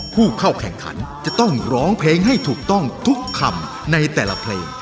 ผู้เข้าแข่งขันจะต้องร้องเพลงให้ถูกต้องทุกคำในแต่ละเพลง